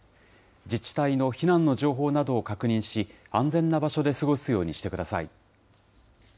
自治体の避難の情報などを確認し、安全な場所で過ごすようにしてください。